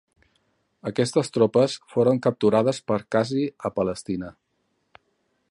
Aquestes tropes foren capturades per Cassi a Palestina.